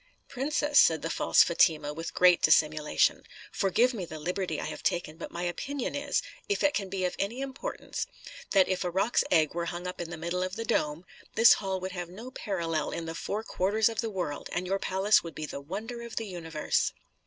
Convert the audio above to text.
"Princess," said the false Fatima, with great dissimulation, "forgive me the liberty I have taken; but my opinion is, if it can be of any importance, that if a roc's egg were hung up in the middle of the dome, this hall would have no parallel in the four quarters of the world, and your palace would be the wonder of the universe."